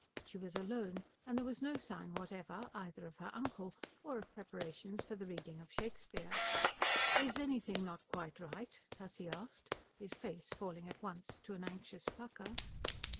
She was alone, and there was no sign whatever either of her uncle or of preparations for the reading of Shakespeare. "Is anything not quite right?" Tussie asked, his face falling at once to an anxious pucker.